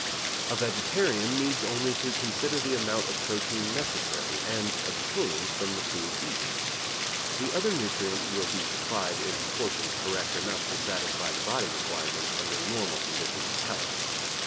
A vegetarian needs only to consider the amount of protein necessary, and obtained from the food eaten. The other nutrients will be supplied in proportions correct enough to satisfy the body requirements under normal conditions of health.